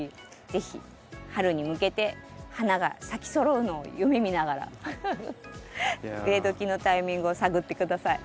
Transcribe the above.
是非春に向けて花が咲きそろうのを夢みながら植えどきのタイミングを探って下さい。